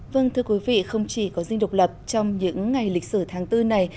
vâng thưa quý vị không chỉ có dinh độc lập trong những ngày lịch sử tháng bốn này